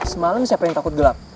semalam siapa yang takut gelap